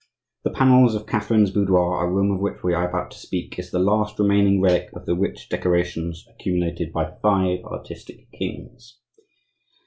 The panels of Catherine's boudoir, a room of which we are about to speak, is the last remaining relic of the rich decorations accumulated by five artistic kings.